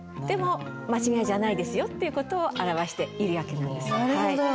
でも間違いじゃないですよっていう事を表している訳なんです。